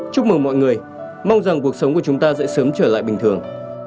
chúc mừng mọi người mong rằng cuộc sống của chúng ta sẽ sớm trở lại bình thường